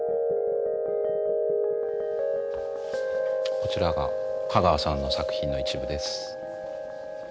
こちらが香川さんの作品の一部です。